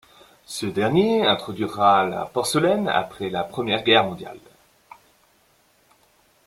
Ce dernier introduira la porcelaine après la première guerre mondiale.